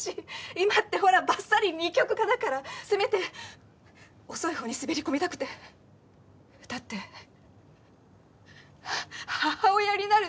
今ってほらばっさり二極化だからせめて「遅い」方に滑り込みたくてだって「母親になる」